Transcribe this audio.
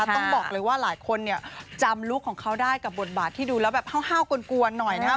ต้องบอกเลยว่าหลายคนเนี่ยจำลุคของเขาได้กับบทบาทที่ดูแล้วแบบห้าวกวนหน่อยนะครับ